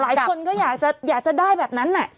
หลายคนก็อยากจะได้แบบนั้น